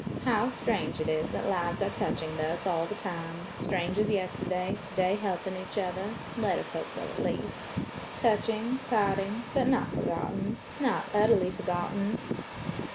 How strange it is that lives are touching thus all the time–strangers yesterday, today helping each other–let us hope so at least–touching–parting–but not forgotten–not utterly forgotten."